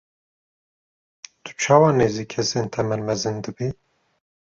Tu çawa nêzî kesên temenmezin dibî?